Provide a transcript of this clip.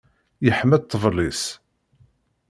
Yeḥma ṭṭbel-is.